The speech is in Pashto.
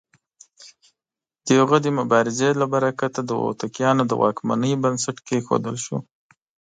د هغه د مبارزې له برکته د هوتکيانو د واکمنۍ بنسټ کېښودل شو.